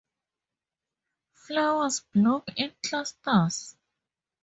Flowers bloom in clusters.